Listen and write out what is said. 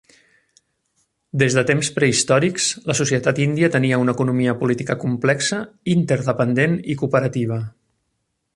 Des de temps prehistòrics, la societat índia tenia una economia política complexa, interdependent i cooperativa.